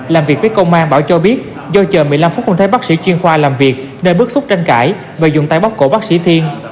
làm việc với công an bảo cho biết do chờ một mươi năm phút không thấy bác sĩ chuyên khoa làm việc nên bức xúc tranh cãi và dùng tay bóc cổ bác sĩ thiên